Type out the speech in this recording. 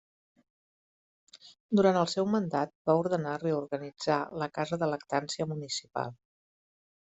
Durant el seu mandat va ordenar reorganitzar la Casa de Lactància Municipal.